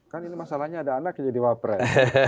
kan ini masalahnya ada anak jadi wapret